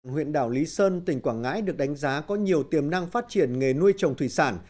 huyện đảo lý sơn tỉnh quảng ngãi được đánh giá có nhiều tiềm năng phát triển nghề nuôi trồng thủy sản